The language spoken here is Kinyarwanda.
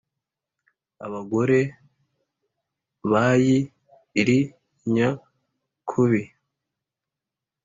abagore bayi ri nya kubi.